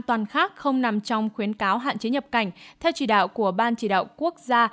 toàn khác không nằm trong khuyến cáo hạn chế nhập cảnh theo chỉ đạo của ban chỉ đạo quốc gia